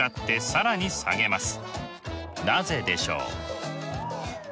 なぜでしょう？